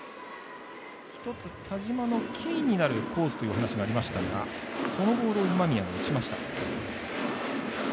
一つ、田嶋のキーになるコースという話もありましたがその後、今宮が打ちました。